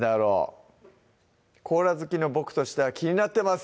コーラ好きの僕としては気になってます